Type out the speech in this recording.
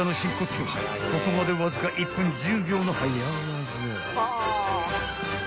［ここまでわずか１分１０秒の早業］